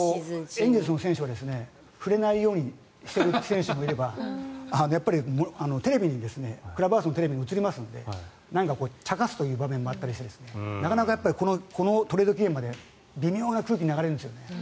エンゼルスの選手は触れないようにしてる選手もいればクラブハウスのテレビに映りますのでちゃかすという場面もあったりしてなかなかトレード期限まで微妙な空気が流れるんですよ。